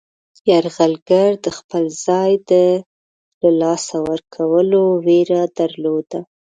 یرغلګر د خپل ځای د له لاسه ورکولو ویره درلوده.